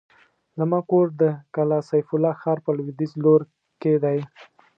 زما کور د کلا سيف الله ښار په لوېديځ لور کې دی.